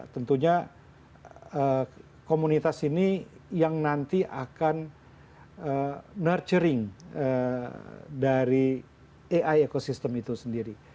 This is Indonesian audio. tentunya komunitas ini yang nanti akan nurturing dari ai ekosistem itu sendiri